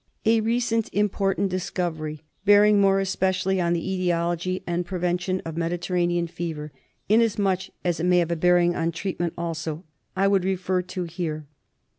A recent important discovery, bearing more especially on the etiology and prevention of Mediterranean Fever, inasmuch as it may have a bearing or treatment also, I would refer to here.